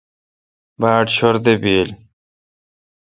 باڑ شور بایل۔